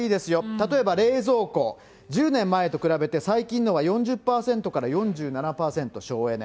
例えば冷蔵庫、１０年前と比べて最近のは４０％から４７％省エネ。